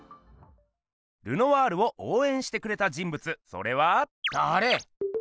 ルノワールをおうえんしてくれた人物それは。だれ？